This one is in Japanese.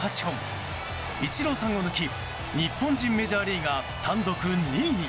イチローさんを抜き日本人メジャーリーガー単独２位に。